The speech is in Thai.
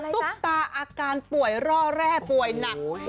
ซุปตาอาการป่วยร่อแร่ป่วยหนัก